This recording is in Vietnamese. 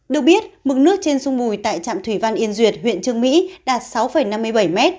được biết mực nước trên sông bùi tại trạm thủy văn yên duyệt huyện trương mỹ đạt sáu năm mươi bảy m